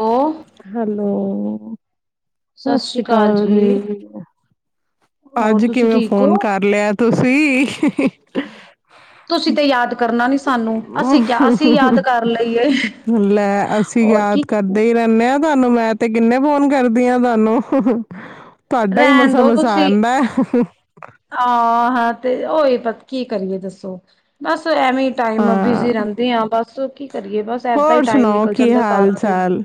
Hello, hello ਸਤਿ ਸ੍ਰੀ ਅਕਾਲ ਜੀ ਹੋਰ ਅੱਜ ਤੁਸੀਂ ਕਿਵੇਂ ਠੀਕ ਫੋਨ ਹੋ? ਕਰ ਲਿਆ ਤੁਸੀਂ ਤੁਸੀਂ ਤੇ ਯਾਦ ਕਰਨਾ ਨੀ ਸਾਨੂੰ, ਅਸੀਂ ਕਿਆ ਅਸੀਂ ਯਾਦ ਕਰ ਲਈਏ। ਲੈ ਅਸੀਂ ਹੋਰ ਕੀ, ਯਾਦ ਕਰਦੇ ਹੀ ਰਹਿੰਦੇ ਹਾਂ ਤੁਾਨੂੰ ਮੈਂ ਤੇ ਕਿੰਨੇ ਫੋਨ ਕਰਦੀ ਹਾਂ ਤੁਹਾਨੂੰ ਤੁਹਾਡਾ ਹੀ ਮਸਾ ਮਸਾ ਆਉਂਦਾ ਹਾਂ ਹਾਂ ਤੇ ਹੋਹੀ ਪਤਾ ਕੀ ਕਰੀਏ ਦੱਸੋ ਬਸ ਬ ਐਵੇਂ ਹੀ ਟਾਈਮ ਬਿਜ਼ੀ ਹਾਂ। ਰਹਿੰਦੇ ਆ ਬਸ ਕੀ ਏਦਾਂ ਹੀ ਹੋਰ ਟਾਈਮ ਸੁਣਾਓ ਨਿਕਲ ਕੀ ਜਾਂਦਾ ਹਾਲ ਸਾਰਾ ਦਿਨ ਚਾਲ?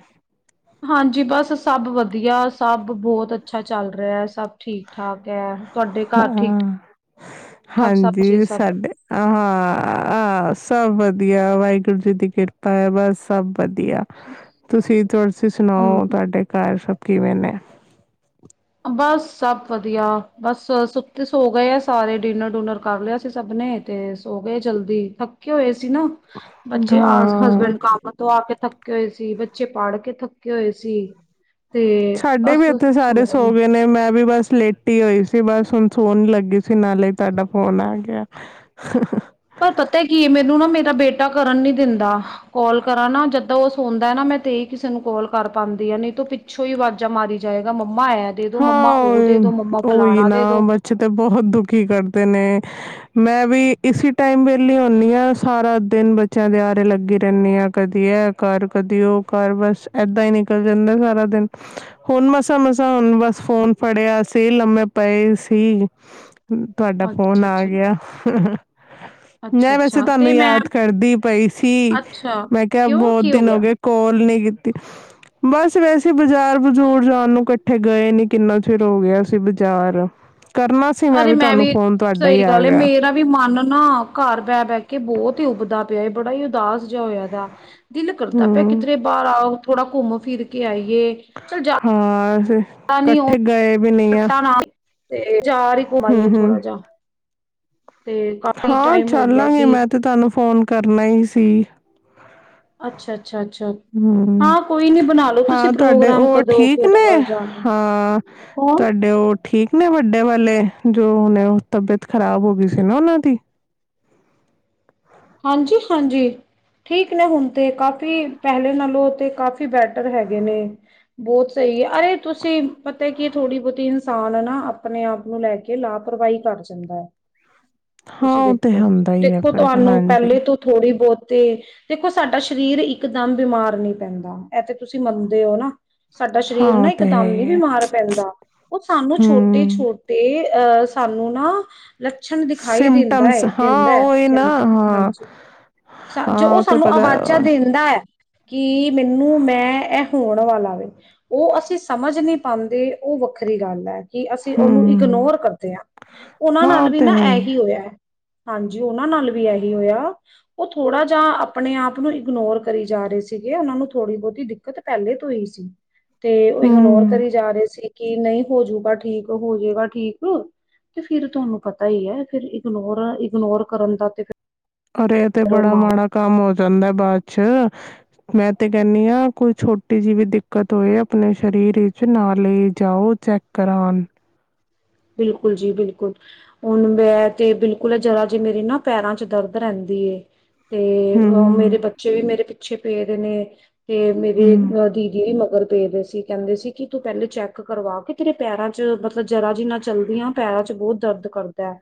ਹਾਂਜੀ ਬਸ ਸਭ ਵਧੀਆ ਸਭ ਬਹੁਤ ਅੱਛਾ ਚੱਲ ਰਿਹਾ ਹੈ ਸਭ ਠੀਕ ਠਾਕ ਹੈ ਤੁਹਾਡੇ ਘਰ ਹਾਂ ਠਾਕ ਸਭ ਬੱਚੇ ਹਾਂਜੀ ਸਭ? ਸਾਡੇ ਹਾਂ ਸਭ ਵਧੀਆ ਵਧੀਆ ਵਾਹਿਗੁਰੂ ਜੀ ਦੀ ਕਿਰਪਾ ਹੈ ਬਸ ਸਭ ਵਧੀਆ ਤੁਸੀਂ ਹਮ ਸੁਣਾਓ ਤੁਹਾਡੇ ਘਰ ਸਭ ਕਿਵੇਨੇ ਬਸ ਸਭ ਵਧੀਆ ਬਸ ਸੁੱਤੇ ਸੋ ਗਏ ਆ ਸਾਰੇ ਡਿਨਰ ਡੂਨਰ ਕਰ ਲਿਆ ਸੀ ਸਭ ਨੇ ਤੇ ਸੋ ਗਏ ਜਲਦੀ ਥੱਕੇ ਹੋਏ ਨਾ ਬੱਚੇ ਆ ਹਸਬੈਂਡ ਹਾਂ ਕੰਮ ਆ ਕੇ ਥੱਕੇ ਹੋਏ ਸੀ ਬੱਚੇ ਪੜ੍ਹ ਕੇ ਥੱਕੇ ਹੋਏ ਸੀ ਤੇ ਸਾਡੇ ਬਸ ਵੀ ਇੱਥੇ ਸਾਰੇ ਸਣ ਸੋ ਮੈਂ ਵੀ ਬਸ ਲੇਟ ਟੀ ਹੋਈ ਸੀ ਬਸ ਹੁਣ ਸੋਹਣ ਲੱਗੀ ਤੁਂ ਨਾਲੇ ਤੁਹਾਡਾ ਫੋਨ ਆ ਗਿਆ ਪਰ ਪਤਾ ਕੀ ਹੈ ਮੈਨੂੰ ਨਾ ਮੇਰਾ ਬੇਟਾ ਕਰਨ ਨੀ ਦਿੰਦਾ ਕਾਲ ਕਰਾਂ ਨਾ ਜਦਾਂ ਉਹ ਸੌਦਾ ਨਾ ਮੈਂ ਤੇਹੀ ਕਿਸੇ ਨੂੰ ਕਾਲ ਕਰ ਪਾਉਂਦੀ ਆ ਨਹੀਂ ਤੂੰ ਪਿੱਛੋਂ ਹੀ ਆਵਾਜ਼ਾਂ ਮਾਰੀ ਜਾਏਗਾ ਮੰਮਾ ਐ ਦੇ ਦੋ ਮੰਮਾ ਹਾਂ ਉਹ ਦੇ ਦੋ ਮੰਮਾ ਉਹੀ ਫਲਾਣਾ ਨਾ ਦੇ ਦੋ ਬੱਚੇ ਤੇ ਬਹੁਤ ਦੁਖੀ ਕਰਦੇ ਨੇ ਮੈਂ ਵੀ ਇਸ ਟਾਈਮ ਵੇਲੇ ਆਉਦੀ ਹਾਂ ਸਾਰਾ ਦਿਨ ਬੱਚਿਆਂ ਦੇ ਆਾਰੇ ਲੱਗੀ ਰਹਿੰਦੀ ਹਾਂ ਕਦੀ ਇਹ ਕਰ ਕਦੀ ਉਹ ਕਰ ਬਸ ਏਦਾਂ ਹੀ ਨਿਕਲ ਜਾਂਦਾ ਸਾਰਾ ਦਿਨ ਹੁਣ ਮਸਾਂ ਮਸਾਂ ਹੁ ਬਸ ਫੋਨ ਫੜਿਆ ਸੀ ਲੰਮੇ ਪਏ ਸੀ ਤੁਹਾਡਾ ਫੋਨ ਅੱਛਾ ਆ ਅੱਛਾ ਗਿਆ ਅੱਛਾ ਮੈਂ ਵੈਸੇ ਅੱਛਾ ਤੇ ਤੁਹਾਨੂੰ ਮੈਂ ਯਾਦ ਕਰਦੀ ਪਈ ਸੀ ਅੱਛਾ, ਮੈਂ ਕਿਹਾ ਕਿਉਂ ਬਹੁਤ ਕੀ ਦਿਨ ਹੋ ਗਿਆ? ਗਏ ਕੋਲ ਨੀ ਬਸ ਵੈਸੇ ਬਾਜ਼ਾਰ ਬਜ਼ੂਰ ਜਾਣ ਨੂੰ ਕੱਠ ਉੱਥੇ ਗਏ ਨੀ ਕਿੰਨਾ ਚਿਰ ਹੋ ਗਿਆ ਸੀ ਬਾਜ਼ਾਰ ਕਰਨਾ ਸੀ ਅਰੇ ਮੈਂ ਤੁਹਾਨੂੰ ਵੀ, ਫੋਨ [inaudible] ਤੁਹਾਡਾ ਹੀ ਸਹੀ ਆ ਗੱਲ ਗਿਆ ਮੇਰਾ ਵੀ ਮਨ ਨਾ ਘਰ ਬਹਿ ਬਹਿ ਕੇ ਬਹੁਤ ਹੀ ਉੱਭਦਾ [inaudible] ਬੜਾ ਹੀ ਉਦਾਸ। ਹੋਇਆ ਦਾ, ਦਿਲ ਕਰਦਾ ਪਿਆ ਹੂੰ ਕਿਧਰੇ ਬਾਹਰ ਆਓ। ਥੋੜਾ ਘੁੰਮ ਫਿਰ ਕੇ ਆਈ। [inaudible] ਚਲ ਜਾ [inaudible] ਕੱਠੇ ਗਏ ਵੀ [inaudible] ਨਹੀਂ ਆ ਤੇ ਚਾਰ ਹੀ ਹੂੰ ਕਮਾਈਏ ਥੋੜਾ ਹੂੰ ਜਾ। ਤੇ ਕਾਫੀ ਹਾਂ ਟਾਈਮ ਹੋ ਗਿਆ ਚੱਲਾਂਗੇ ਸੀ। ਮੈਂ ਤੇ ਤੁਹਾਨੂੰ ਫੋਨ ਕਰਨਾ ਹੀ ਸੀ। ਅੱਛਾ [inaudible] ਹਮ ਹਾਂ ਕੋਈ ਨੀ ਬਣਾ ਲੋ ਤੁਸੀਂ ਹਾਂ ਤੁਹਾਡੇ ਪ੍ਰੋਗਰਾਮ ਉਹ ਕਦੋਂ ਠੀਕ ਕਿਹੜੇ ਨੇ, ਵੱਲ ਜਾਣਾ ਹੈ। ਹਾਂ ਕੌਣ? ਤੁਹਾਡੇ ਉਹ ਠੀਕ ਨੇ ਵੱਡੇ ਵਾਲੇ ਜੋ [inaudible] ਤਬੀਅਤ ਖ਼ਰਾਬ ਹੋ ਗਈ ਸੀ ਨਾ ਉਹਨਾਂ ਦੀ। ਹਾਂਜੀ ਹਾਂਜੀ ਠੀਕ ਨੇ ਹੁਣ ਤੇ ਕਾਫੀ ਪਹਿਲੇ ਨਾਲੋਂ ਤੇ ਕਾਫੀ ਬੈਟਰ ਹੈਗੇ ਨੇ, ਬਹੁਤ ਸਹੀ ਹੈ ਅਰੇ ਤੁਸੀਂ ਪਤਾ ਕੀ ਥੋੜ੍ਹੀ ਬਹੁਤੀ ਇਨਸਾਨ ਨਾ ਆਪਣੇ ਆਪ ਨੂੰ ਲੈ ਕੇ ਲਾਪਰਵਾਹੀ ਕਰ ਜਾਂਦਾ ਹੈ। ਹਾਂ ਤੁਸੀਂ ਉਹਤੇ ਦੇਖੋ ਹੁੰਦਾ ਹੀ ਹੈ ਦੇਖੋ ਫਿਰ ਤੁਹਾਨੂੰ [inaudible] ਪਹਿਲੇ ਤੋਂ ਥੋੜ੍ਹੀ ਬਹੁਤ। ਤੇ ਦੇਖੋ ਸਾਡਾ ਸ਼ਰਿਰ ਇੱਕਦਮ ਬਿਮਾਰ ਨਹੀਂ ਪੈਂਦਾ ਇ ਤੇ ਤੁਸੀਂ ਮੰਨਦੇ ਹੋ ਨਾ। ਸਾਡਾ ਹਾਂ ਸ਼ਰੀਰ ਉਹ ਨਾ ਤੇ ਹੈ ਇਕਦਮ ਨੀ ਹੀ ਹੈ ਬਿਮਾਰ ਪੈਂਦਾ ਉਹ ਸਾਨੂੰ ਛੋਟੇ ਹਮ ਛੋਟੇ [unintelligible] ਅਹ ਸਾਨੂੰ ਨਾ ਲੱਛਣ ਦਿਖਾਈ ਦਿੰਦਾ ਸਿੰਮਟਮਸ ਹੈ, ਹਾਂ ਦਿੰਦਾ ਹੈ ਉਹ ਇਹ ਨਾ ਸਿਸਟਮ। ਹਾਂ ਹਾਂਜੀ, ਜੋ ਹਾਂ ਉਹ ਤੇ ਸਾਨੂੰ ਪਤਾ ਆਵਾਜਾਂ ਦਿੰਦਾ ਹੈ। ਕਿ ਮੈਨੂੰ ਮੈਂ ਇਹ ਹੋਣ ਵਾਲਾ ਵੈ, ਉਹ ਅਸੀਂ ਸਮਝ ਨਹੀਂ ਪਾਉਂਦੇ ਉਹ ਵੱਖਰੀ ਗੱਲ ਹੈ। ਅਸੀਂ ਉਹਨੂੰ ਹਮ ਇਗਨੋਰ ਕਰਦੇ ਹਾਂ, ਉਹਨਾਂ ਹਾਂ ਉਹ ਨਾਲ ਵੀ ਤੇ ਨਾ ਹੈ ਹੀ ਇਹੀ ਹੋਇਆ ਹੈ। ਹਾਂਜੀ ਉਹਨਾਂ ਨਾਲ ਵੀ ਏ। ਹੋਇਆ ਉਹ ਥੋੜਾ ਜਾ ਆਪਣੇ ਆਪ ਨੂੰ ਇਗਨੋਰ ਕਰੀ ਜਾ ਰਹੇ ਸੀਗੇ ਉਹਨਾਂ ਨੂੰ ਥੋੜ੍ਹੀ ਬਹੁਤੀ ਦਿੱਕਤ ਪਹਿਲੇ ਤੋਂ ਹੀ ਸੀ। ਤੇ ਉਹ ਇਗਨੋਰ ਹਮ ਕਰੀ ਜਾ ਰਹੇ ਸੀ। ਕੀ ਨਹੀਂ ਹੋਜੂਗਾ ਠੀਕ, ਹੋਜਏਗਾ ਠੀਕ ਤੇ ਫੇਿਰ ਤੁਹਾਨੂੰ ਪਤਾ ਹੀ ਹੈ, ਫਿਰ ਇਗਨੋਰ ਇਗਨੋਰ ਕਰਨ ਦਾ ਤੇ ਫਿਰ। ਔਰ ਇਹ ਤੇ ਬੜਾ ਮਾਂ ਮਾੜਾ ਕੰਮ ਹੋ ਜਾਂਦਾ ਬਾਅਦ ਚ [unintelligible] ਮੈਂ ਤੇ ਕਹਿੰਦੀ ਹਾਂ ਕੋਈ ਛੋਟੀ ਜਿਹੀ ਵੀ ਦਿੱਕਤ ਹੋਏ ਆਪਣੇ ਸਰੀਰ ਵਿੱਚ ਨਾਲੇ ਜਾਓ ਚੈੱਕ ਕਰਾਨ। ਬਿਲਕੁਲ ਜੀ ਬਿਲਕੁਲ, ਹੁਣ ਮੈਂ ਤੇ ਬਿਲਕੁਲ ਆ ਜਰਾ ਜੇ ਮੇਰੀ ਨਾ ਪੈਰਾਂ ਚ ਦਰਦ ਰਹਿੰਦੀ ਏ। ਏ [unintelligible] ਮੇਰੇ ਹਮ ਬੱਚੇ ਵੀ ਮੇਰੇ [unintelligible] ਚ ਪੇ ਰੇ ਨੇ। ਤੇ ਮੇਰੇ ਹਮ ਦੀਦੀ ਵੀ ਮਗਰ। [unintelligible] ਅਸੀ ਕਹਿੰਦੇ ਸੀ ਕਿ ਤੂੰ ਪਹਿਲੇ ਚੈੱਕ ਕਰਵਾ ਕੇ ਤੇਰੇ ਪੈਰਾਂ ਚ ਮਤਲਬ ਜਰਾ ਜਿੰਨਾ ਚਲਦੀਆਂ ਪੈਰਾਂ ਚ ਬਹੁਤ ਦਰਦ ਕਰਦਾ ਹੈ।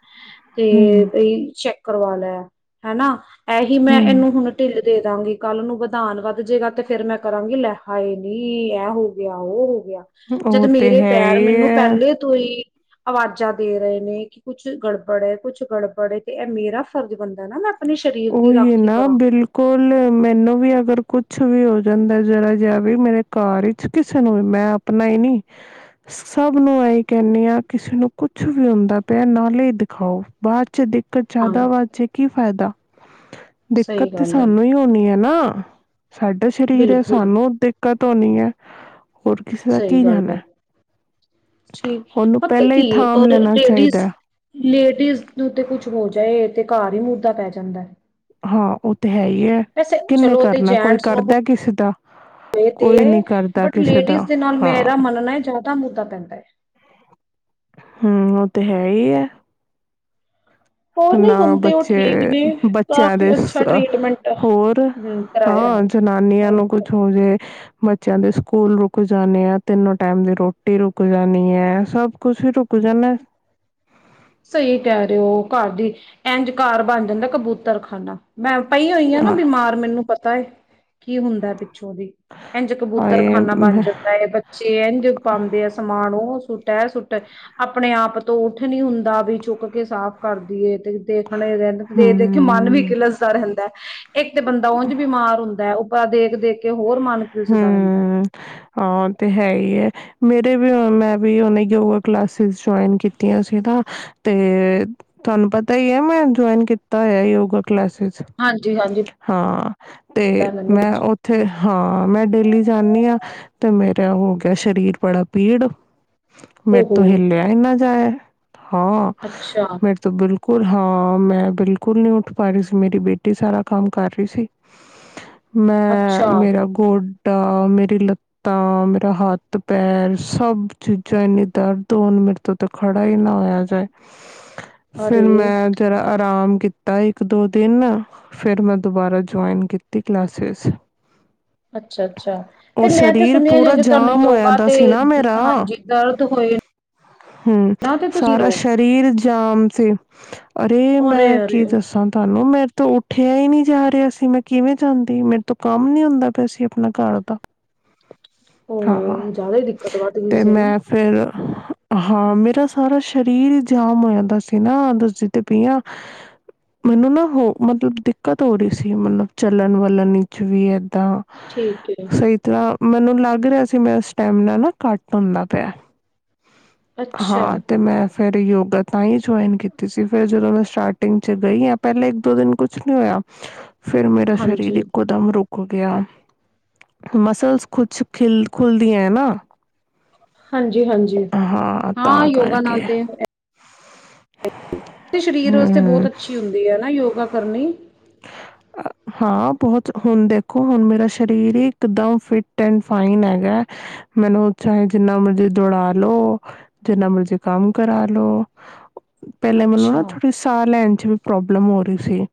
ਤੇ ਹਮ ਇਹੀ ਚੇਕ। ਕਰਵਾ ਲਿਆ, ਹਨਾ। ਏਹੀ ਮੈਂ, ਹਮ ਏਨੂੰ ਹੁਣ ਢਿੱਲ ਦੇ ਦਾਂਗੀ, ਕੱਲ ਨੂੰ ਵਧਾਨ ਵਧ ਜੇਗਾ ਤੇ ਫਿਰ ਮੈਂ ਕਰਾਂਗੀ, ਲੈ ਹਾਏ ਨੀ, ਏਹ ਹੋ ਗਿਆ, ਓਹ ਹੋ ਗਿਆ। ਜਦ ਉਹ ਤੇ ਮੇਰੇ ਹੈ ਪੈਰ ਹੀ ਮੈਨੂੰ ਹੈ ਪਹਿਲੇ ਤੋ ਈ ਅਵਾਜ਼ਾਂ ਦੇ ਰਹੇ ਨੇ, ਕਿ ਕੁੱਛ ਗੜਬੜ ਐ, ਕੁਛ ਗੜਬੜ ਐ ਤੇ ਏਹ ਮੇਰਾ ਫਰਜ਼ ਬਣਦਾ ਨਾ ਮੈਂ ਆਪਣੇ ਸਰੀਰ ਦੀ ਓਹੀ ਰਾਖੀ ਨਾ, ਕਰਾਂ। ਬਿਲਕੁਲ। ਮੈਨੂੰ ਵੀ ਅਗਰ ਕੁਛ ਵੀ ਹੋ ਜਾਂਦਾ ਜ਼ਰਾ ਜਿਹਾ ਵੀ, ਮੇਰੇ ਘਰ ਵਿਚ ਕਿਸੇ ਨੂੰ ਵੀ, ਮੈਂ ਆਪਣਾ ਈ ਨੀ, ਸਭ ਨੂੰ ਇਹੀ ਕਹਿੰਨੀ ਆਂ, ਕਿਸੇ ਨੂੰ ਕੁਛ ਵੀ ਹੁੰਦਾ ਪਿਆ ਨਾਲੇ ਈ ਦਿਖਾਓ। ਬਾਅਦ ਚ ਦਿਖ ਕਤ ਹਾਂ ਜ਼ਿਆਦਾ ਵਧ ਜੇ ਗੀ ਤਾ। ਦਿੱਕਤ ਸਹੀ ਤੇ ਗੱਲ ਹੈ। ਸਾਨੂੰ ਈ ਹੋਣੀ ਐ ਨਾ। ਸਾਡਾ ਸ਼ਰੀਰ ਐ, ਬਿਲਕੁਲ ਸਾਨੂੰ ਦਿੱਕਤ ਤ ਹੋਨੀ ਐ। ਹੋਰ ਕਿਸੇ ਦਾ ਸਹੀ ਕੀ ਗੱਲ ਜਾਣਾ ਐ। ਹੈ ਠੀਕ। ਪਤਾ ਕੀ ਏ, ਥਾਮ ਅ-ਦੇ ਲੈਣਾ ਲੇਡੀਜ਼ ਚਾਹੀਦਾ ਹੈ। ਲੇਡੀਜ਼ ਨੂੰ ਤੇ ਕੁਛ ਹੋ ਜਾਏ ਤੇ ਘਰ ਹੀ ਮੁੱਧ੍ਹਾ ਪੈ ਜਾਂਦੈ। ਹਾਂ। ਓ ਵੈਸੇ ਚਲੋ ਤੇ ਜੈਂਟਸ ਨੂੰ ਕਰਦਾ ਕਿਸੇ ਦਾ [inaudible] ਤੇ, ਕੋਈ ਨੀ ਕਰਦਾ ਬਟ ਕਿਸੇ ਦਾ ਲੇਡੀਜ਼ ਦੇ ਨਾਲ ਹਾਂ ਮੇਰਾ ਮੰਨਣਾ ਏ, ਜ਼ਿਆਦਾ ਮੁੱਧਾ ਪੈਂਦਾ ਏ। ਹਮ ਓਹ ਤੇ ਹੈ ਈ ਐ। ਹੋਰ ਨਾ ਨਹੀਂ ਹੁਣ ਤੇ ਉਹ ਬੱਚੇ, ਠੀਕ ਨੇ ਬੱਚਿਆਂ ਦੇ ਕਾਫੀ ਸ, ਅੱਛਾ ਟ੍ਰੀਟਮੈਂਟ ਹੋਰ ਹਮ ਕਰਾਇਆ। ਹਾਂ ਹੈ ਜਨਾਨੀਆਂ ਹੁਣ ਨੂੰ ਤੇ। ਕੁਛ ਹੋ ਜੇ ਬੱਚਿਆਂ ਦੇ ਸਕੂਲ ਰੁਕ ਜਾਣੇ ਆ, ਤਿੰਨੋ ਟਾਈਮ ਦੀ ਰੋਟੀ ਰੁਕ ਜਾਣੀ ਐ। ਸਭ ਕੁਛ ਈ ਰੁਕ ਜਾਂਨਾ ਏ। ਸਹੀ ਕਹਿ ਰਹੇ ਓ। ਘਰ ਦੀ, ਇੰਝ ਘਰ ਬਣ ਜਾਂਦਾ ਕਬੂਤਰ ਖਾਨਾ। ਮੈਂ ਪਈ ਹੋਈ ਆ ਨਾ ਬਿਮਾਰ, ਮੈਨੂੰ ਪਤਾ ਏ। ਕੀ ਹੁੰਦਾ ਪਿੱਛੋਂ ਦੀ। ਇੰਝ ਕਬੂਤਰ ਹਾਏ ਖਾਨਾ ਬਣ ਜਾਂਦਾ ਐ, ਬੱਚੇ ਇੰਝ ਪਾਂਦੇ ਆ ਸਮਾਨ। ਓਹ ਏਹ ਸੁੱਟ, ਏਹ ਸੁੱਟ। ਆਪਣੇ ਆਪ ਤੋਂ ਉੱਠ ਨੀ ਹੁੰਦ ਆ ਵੀ ਚੁੱਕ ਕੇ ਸਾਫ਼ ਕਰਦੀਏ। ਦੇਖਣੇ ਰਹਿੰਦੇ। ਦੇਖ ਦੇਖ ਕੇ ਮਨ ਵੀ ਹੂੰ ਕਿਲਸਦਾ ਰਹਿੰਦੈ। ਇੱਕ ਤੇ ਬੰਦਾ ਉਂਝ ਬਿਮਾਰ ਹੁੰਦੈ ਆ ਦੇਖ ਦੇਖ ਕੇ ਹਮ, ਹਾਂ ਤੇ ਹੈ ਈ ਐ। ਮੇਰੇ ਵੀ ਹੁਨ, ਮੈਂ ਵੀ ਹੁਨੇ ਯੋਗਾ ਕਲਾਸਿਸ ਜੁਆਇਨ ਕੀਤੀਆਂ ਸੀਨਾ। ਤੇ ਤੁਹਾਨੂੰ ਪਤਾ ਈ ਐ, ਮੈਂ ਜੁਆਇਨ ਕੀਤਾ ਹੋਇਆ ਯੋਗਾ ਕ ਕਲਾਸਿਸ। ਹਾਂਜੀ ਹਾਂਜੀ ਹਾਂ ਤੇ ਪਤਾ ਮੈਨੂੰ ਮੈਂ ਉੱਥੇ ਹਾਂ ਹਾਂ ਮੈਂ ਡੇਲੀ ਜਾਂਣੀ ਆਂ ਤੇ ਮੇਰਾ ਹੋ ਗਿਆ ਸਰੀਰ ਬੜਾ ਪੀੜ ਮੇਰੇ ਓਹੋ ਤੋਂ ਹਿੱਲਿਆ ਈ ਨਾ ਜਾਏ। [unintelligible] ਹਾਂ ਅੱਛਾ ਮੇਰੇ ਤੋਂ ਬਿਲ ਕੋਲ ਹਾਂ ਮੈਂ ਬਿਲਕੁਲ ਨ੍ਹੀਂ ਉੱਠ ਪਾ ਰਹੀ ਸੀ ਮੇਰੀ ਬੇਟੀ ਸਾਰਾ ਕੰਮ ਕਰ ਰਹੀ ਸੀ। ਮੈਂ ਅੱਛਾ ਮੇਰਾ ਗੋਡਾ ਮੇਰੀ ਲੱਤਾਂ, ਮੇਰਾ ਹੱਥ, ਪੈਰ ਸਭ ਚੀਜ਼ਾਂ ਇੰਨੀਂ ਦਰਦ ਹੋਨ ਮੇਰੇ ਤੋਂ ਤਾਂ ਖੜਾ ਈ ਨਾ ਹੋਇਆ ਜਾਏ। ਫਿਰ ਅਰੇ ਮੈਂ ਜਰ੍ਹਾ ਆਰਾਮ ਕੀਤਾ। ਤਾ ਇੱਕ ਦੋ ਦਿਨ ਫਿਰ ਮੈਂ ਦੁਬਾਰਾ ਜੁਆਇਨ ਕੀਤੀ ਕਲਾਸਿਸ ਅੱਛਾ-ਅੱਛਾ ਤੇ ਉਹ ਮੈਂ ਤੇ ਸਰੀਰ ਸੁਣਿਆ ਪੂਰਾ ਜਦੋਂ ਤੁਹਾਨੂੰ ਜਾਮ ਹੋਇਆ ਯੋਗਾ ਦਾ ਤੇ ਸੀ ਨਾ ਮੇਰਾ, ਹਾਂਜੀ ਦਰਦ ਹੋਏ ਹਮ ਨਾ ਤੇ ਤੁਸੀਂ ਸਾਰਾ ਰੋ ਸਰੀਰ ਜਾਮ ਸੀ ਅਰੇ ਮੈਂ ਅਰੇ-ਅਰੇ ਕੀ ਦੱਸਾਂ ਤੁਹਾਨੂੰ ਮੈਂ ਉੱਠਿਆ ਹੀ ਨਹੀਂ ਜਾ ਰਿਹਾ ਸੀ ਮੈਂ ਕਿਵੇਂ ਜਾਂਦੀ, ਮੇਰੇ ਤੋਂ ਕੰਮ ਨੀਂ ਹੁੰਦਾ ਪਿਆ ਸੀ ਆਪਣੇ ਘਰ ਦਾ ਹਾਂ ਹਾਂ ਉਹ ਜ਼ਿਆਦਾ ਹੀ ਦਿੱਕਤ ਵੱਧ ਗਈ ਤੇ ਸੀ ਹਨਾ। ਮੈਂ ਫਿਰ ਹਾਂ ਮੇਰਾ ਸ ਸਾਰਾ ਸਰੀਰ ਹੀ ਜਾਮ ਹੋ ਜਾਂਦਾ ਸੀ ਨਾਂ ਦਸੱਦੀ ਤੇ ਪੀ ਆਂ ਮੈਨੂੰ ਨਾਂ ਹੋ ਮਤਲਬ ਦਿੱਕਤ ਹੋ ਰਹੀ ਸੀ ਮਤਲਬ ਚੱਲਣ ਵਾ ਚਲੱਣ ਇਚ ਵੀ ਏਦਾਂ ਠੀਕ ਐ। ਸਹੀ ਤਰ੍ਹਾਂ ਮੈਨੂੰ ਲੱਗ ਰਿਹਾ ਸੀ ਮੇਰਾ ਸਟੈਮਨਾ ਨਾ ਘੱਟ ਹੁੰਦਾ ਪਿਆ। ਅੱਛਾ। ਹਾਂ, ਤੇ ਮੈਂ ਫੇਿਰ ਯੋਗਾ ਤਾਂਹੀ ਜੁਆਇਨ ਕੀਤੀ ਸੀ ਫਿਰ ਜਦੋਂ ਮੈਂ ਸਟਾਰਟਿੰਗ ਚ ਗਈ ਆਂ ਪਹਿਲਾਂ ਇੱਕ ਦੋ ਦਿਨ ਕੁਛ ਨੀਂ ਹੋਇਆ ਫਿਰ ਮੇਰਾ ਸਰੀਰ ਹਾਂਜੀ, ਇੱਕੋਦਮ ਰੁਕ ਕ ਗਿਆ। ਮਸਲਸ ਕੁਛ ਖਿਲ ਖੁਲਦੀ ਐਨਾ। ਹਾਂਜੀ। ਹਾਂਜੀ ਹਾਂ ਤਾਂ ਯੋਗਾ ਨਾਲ ਕਰਕੇ ਤੇ ਸਰੀਰ ਵਾਸਤੇ ਬਹੁਤ ਹਮ ਅੱਛੀ ਹੁੰਦੀ ਐਨਾ ਯੋਗਾ ਕਰਨੀ। ਹਾਂ ਬਹੁਤ ਹੁਣ ਦੇਖੋ ਹੁਣ ਮੇਰਾ ਸਰੀਰ ਹੀ ਇਕਦਮ ਫਿਟ ਐਂਡ ਫਾਈਨ ਹੈਗਾ ਮੈਨੂੰ ਚਾਹੇ ਜਿੰਨਾ ਮਰਜੀ ਦੌੜਾ ਦੋ, ਜਿਨ੍ਹਾਂ ਮਰਜੀ ਕੰਮ ਕਰਾ ਲੋ ਪਹਿਲੇ ਮੰਨੂੰ ਨਾਂ ਅੱਛਾ, ਥੋੜ੍ਹੀ ਸਾਹ ਲੈਣ ਚ ਵੀ ਪ੍ਰੋਬਲਮ ਹੋ ਰਹੀ ਸੀ।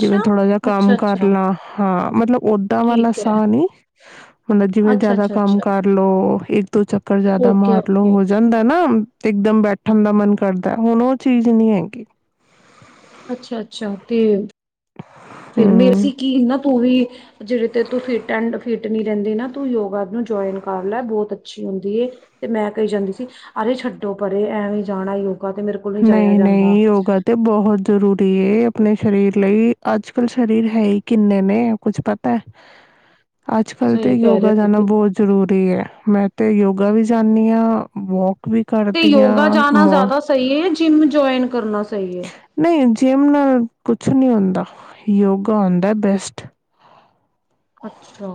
ਜਿਵੇਂ ਥੋੜਾ ਜਿਹਾ ਕੰਮ ਕਰ ਅੱਛਾ-ਅੱਛਾ ਲਾਂ ਹਾਂ ਮਤਲਬ ਓਦਾਂ ਵਾਲਾ ਠੀਕ ਐ। ਸਾਹ ਨੀ ਮਤਲਬ ਜਿਵੇਂ ਜਿਆਦਾ ਕੰਮ ਅੱਛਾ-ਅੱਛਾ-ਅੱਛਾ ਕਰ ਲੋ ਇੱਕ ਦੋ ਚੱਕਰ ਜ਼ਿਆਦਾ ਮਾਰ ਓਕੇ-ਓਕੇ ਹੋ ਜਾਂਦਾ ਨਾ ਇਕਦਮ ਬੈਠਣ ਦਾ ਮਨ ਕਰਦਾ ਹੁਣ ਉਹ ਚੀਜ਼ ਨ੍ਹੀਂ ਹੈਗੀ। ਅੱਛਾ ਅੱਛਾ ਤੇ ਫਿਰ ਵੀ ਹੂੰ ਅਸੀਂ ਕੀ ਨਾ ਤੂੰ ਵੀ ਜਿਹੜੇ ਤੇ ਤੂੰ ਫਿਟ ਐਂਡ ਫਿਟ ਨੀ ਰਹਿੰਦੀ ਨਾ ਤੂੰ ਯੋਗਾ ਨੂੰ ਜੁਆਇਨ ਕਰ ਲੈ ਬਹੁਤ ਅੱਛੀ ਹੁੰਦੀ ਤੇ ਮੈਂ ਕਹੀ ਜਾਂਦੀ ਸੀ ਅਰੇ ਛੱਡੋ ਪਰੇ ਐਵੇਂ ਜਾਣਾ ਯੋ ਨਹੀਂ ਨਹੀਂ ਯੋਗਾ ਤੇ ਬਹੁਤ ਜ਼ਰੂਰੀ ਹੈ ਆਪਣੇ ਸਰੀਰ ਲਈ ਅੱਜ ਕੱਲ੍ਹ ਸਰੀਰ ਹੈ ਹੀ ਕਿੰਨੇ ਨੇ ਕੁੱਝ ਪਤਾ ਅੱਜ ਕੱਲ੍ਹ ਤੇ ਸਹੀ ਕਹਿ ਰਹੇ ਯੋਗਾ ਹੋ ਜਾਣਾ ਤੁਸੀਂ ਬਹੁਤ ਜ਼ਰੂਰੀ ਹੈ ਮੈਂ ਤਾਂ ਯੋਗਾ ਵੀ ਜਾਂਦੀ ਹਾਂ ਵੋਕ ਵੀ ਕਰਦੀਆਂ ਮੋਰ ਕਿ ਜਿੰਮ ਜੁਇਨ ਕਰਨਾ ਸਹੀ ਹੈ ਨਹੀਂ ਜਿਮ ਨਾਲ ਕੁਛ ਨੀ ਹੁੰਦਾ ਯੋਗਾ ਹੁੰਂਦਾ ਬੈਸਟ ਅੱਛਾ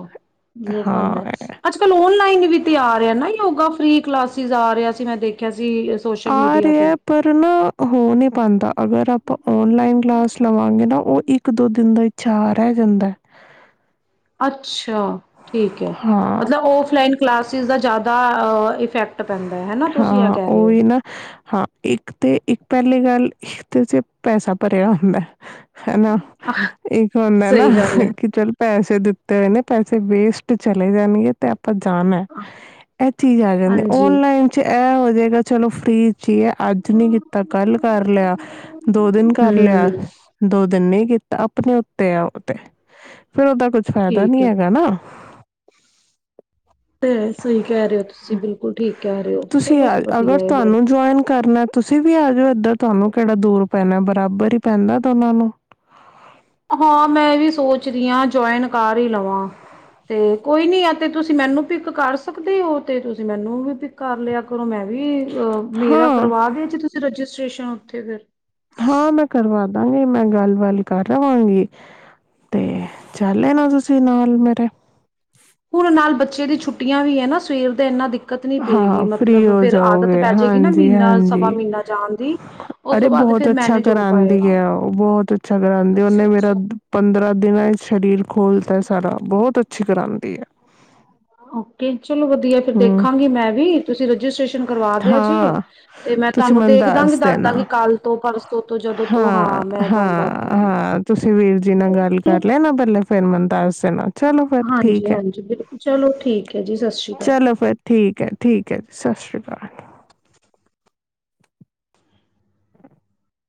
ਜੋ ਹੁੰਦਾ ਹਾਂ ਅੱਜ ਕੱਲ ਔਨਲਾਈਨ ਵੀ ਤੇ ਆ ਰਿਹਾ ਨਾ ਯੋਗਾ ਫਰੀ ਕਲਾਸਿਸ ਆ ਰਿਹਾ ਸੀ ਮੈਂ ਦੇਖਿਆ ਸੀ ਸੋਸ਼ਲ ਆ ਮੀਡੀਆ ਤੇ ਰਿਹਾ ਪਰ ਨਾ ਹੋ ਨਹੀ ਪਾਉਦਾ ਅਗਰ ਆਪਾਂ ਓਨਲਾਈਨ ਕਲਾਸ ਲਵਾਂਗੇ ਨਾ ਉਹ ਇੱਕ ਦੋ ਦਿਨ ਦਾ ਇਛਾ ਰਹਿ ਜਾਂਦਾ ਅੱਛ ਅੱਛਾ ਠੀਕ ਹੈ ਹਾਂ ਮਤਲਬ ਓਫ ਫਲਾਈਨ ਕਲਾਸਿਸ ਦਾ ਜ਼ਿਆਦਾ ਇਫੈਕਟ ਪੈਂਦਾ ਹੈ ਨਾ ਤੁਸੀਂ ਇਹ ਹਾਂ ਕਹਿ ਰਹੇ ਹੋ ਉਹੀ ਨਾ ਹਾਂ ਇੱਕ ਤੇ ਇੱਕ ਪਲੀ ਗੱਲ ਇੱਕਦੇ ' ਪੈਸਾ ਭਰਿਆ ਹੁੰਦਾ ਹਨਾ ਇੱਕ ਹੁੰਦਾ ਨਾ ਸਹੀ ਗੱਲ ਹੈ ਕਿ ਚਲ ਪੈਸੇ ਦਿੱਤੇ ਨੇ ਪੈਸੇ ਵੇਸਟ ਚਲੇ ਜਾਣਗੇ ਤੇ ਆਪਾਂ ਜਾਣਾ ਇਹ ਚੀਜ਼ ਆ ਜਾਂਦੀ ਜੀ ਐ ਹੋ ਜਾਏਗਾ ਚਲੋ ਫ੍ਰਿਜ ੀ ਅੱਜ ਨੀ ਕੀਤਾ ਕੱਲ ਕਰ ਲਿਆ ਦੋ ਦਿਨ ਕਰ ਲਿਆ ਹਮ ਦੋ ਦਿਨ ਨ ਕੀਤਾ ਆਪਣੇ ਉੱਤੇ ਆ ਉਹ ਤੇ ਫੇਰ ਉਹਦਾ ਕੁਛ ਫਾਇਦਾ ਠੀਕ ਨੀ ਹੈ ਹੈਗਾ ਨਾ [inaudible] ਤੇ ਸਹੀ ਕਹਿ ਰਹੇ ਹੋ ਤੁਸੀਂ ਬਿਲਕੁਲ ਠੀਕ ਹੈਰੇ ਹੋ ਤੁਸੀਂ ਚਲੋ ਆ ਅਗਰ ਵਧੀਆ ਹੈ ਹੋਰ ਤੁਹਾਨੂੰ ਜੁਆਇਨ ਕਰਨਾ ਤੁਸੀਂ ਵੀ ਆ ਜਾਓ ਏਦਾਂ ਤੁਹਾਨੂੰ ਕਿਹੜਾ ਦੂਰ ਪੈਣਾ ਬਰਾਬਰ ਹੀ ਪੈਂਦਾ ਉਹਨਾਂ ਨੂੰ ਹਾਂ ਮੈਂ ਵੀ ਸੋਚ ਰਹੀ ਹਾਂ ਜੁਆਇਨ ਕਰ ਹੀ ਲਵਾਂ ਤੇ ਕੋਈ ਨੀ ਆ ਤੇ ਤੁਸੀਂ ਮੈਨੂੰ ਪਕ ਕਰ ਸਕਦੇ ਹੋ ਤੇ ਤੁਸੀਂ ਮੈਨੂੰ ਵੀ ਕਰ ਲਿਆ ਕਰੋ ਮੈਂ ਵੀ ਅਹ ਮੇਰਾ ਹਾਂ ਕਰਵਾ ਦੇ ਜ ਤੁਸੀਂ ਰਜਿਸਟ੍ਰੇਸ਼ਨ ਉੱਥੇ ਫਿਰ ਹਾਂ ਮੈਂ ਕਰਵਾ ਦ ਕਰਾਂਗੇ ਮੈਂ ਗੱਲ-ਬੱਲ ਕਰ ਲਵਾਂਗੀ, ਤੇ ਚੱਲੇ ਨਾ ਤੁਸੀਂ ਨਾਲ ਮੇਰੇ ਸਰੀਰ ਦੇ ਇੰਨਾ ਦਿ ਹਾਂ ਫਰੀ ਹੋ ਜਾਓਗੇ, ਪੈ ਜਾਏਗੀ ਨਾ ਹਾਂਜੀ- ਮਹੀਨਾ ਸਵਾ ਹਾਂਜੀ ਮਹੀਨਾ ਜਾਣ ਦੀ ਉਸ ਅਰੇ ਤੋਂ ਬਾਅਦ ਬਹੁਤ ਫਿਰ ਅੱਛਾ ਮੈਨੇਜ ਹੋ ਕਰਾਂਦੀ ਪਾਏਗਾ। ਆ ਉਹ ਬਹੁਤ ਅੱਛਾ ਕਰਾਂਦੀ ਆ, ਅੱਛਾ ਉਹਨੇ ਮੇਰਾ ਅੱਛਾ। ਪੰਦਰਾਂ ਦਿਨਾਂ ਸਰੀਰ ਖੋਲਤਾ ਸਾਰਾ ਬਹੁਤ ਅ ਅੱਛੀ ਕਰਾਂਦੀ ਐ। ਓਕੇ ਚਲੋ ਵਧੀਆ ਫਿਰ ਦੇਖਾਂਗੀ। ਮੈਂ ਵੀ ਤੁਸੀਂ ਰਜਿਸਟ੍ਰੇਸ਼ਨ ਕਰਵਾ ਦਿਆ ਜੇ ਹਾਂ ਤੇ ਮੈਂ ਤੁਸੀਂ ਤੁਹਾਨੂੰ ਮੈਨੂੰ ਦੇਖਦਾਂਗੀ ਦੱਸ ਦੇਣਾ ਦੱਸਦਾਂਗੀ ਕੱਲ ਤੋਂ ਪਰਸੋਂ ਤੋਂ ਜਦੋਂ ਤੋਂ ਹਾਂ, ਮੈਂ ਤੁਹਾਨੂੰ ਦੱਸਦਾਂਗੀ। ਤੁਸੀ ਵੀਰ ਜੀ ਨਾਲ ਗੱਲ ਕਰ ਲਿਆ ਨਾ ਪਹਿਲੇ ਫਿਰ ਮੈਨੂੰ ਦਸ ਦੇਣਾ ਚਲੋ ਫਿਰ ਹਾਂਜੀ ਠੀਕ ਹੈ ਹਾਂਜੀ ਬਿਲਕੁਲ ਚਲੋ ਠੀਕ ਹੈ ਜੀ ਸਤਿ ਸ਼੍ਰੀ ਅਕਾਲ। ਚਲੋ ਫਿਰ ਠੀਕ ਹੈ ਠੀਕ ਹੈ ਜੀ ਸਸ ਰੀ ਅਕਾਲ।